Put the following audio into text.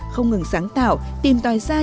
không ngừng sáng tạo tìm tòi ra những điều mới